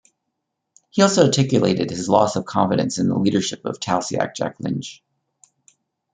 He also articulated his loss of confidence in the leadership of Taoiseach Jack Lynch.